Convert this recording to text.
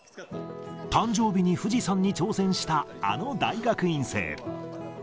誕生日に富士山に挑戦したあの大学院生。